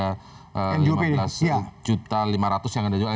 rp lima belas lima ratus yang ada jual